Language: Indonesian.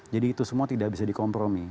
jadi itu semua tidak bisa di kompromi